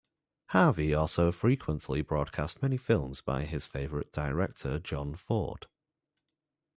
Harvey also frequently broadcast many films by his favorite director John Ford.